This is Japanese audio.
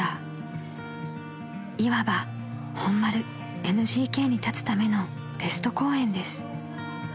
［いわば本丸ＮＧＫに立つためのテスト公演です］